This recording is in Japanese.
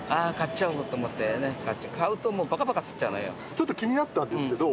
ちょっと気になったんですけど。